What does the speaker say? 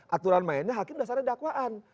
aturan mainnya hakim dasarnya dakwaan